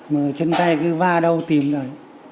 mà chân tay cứ va đâu tìm được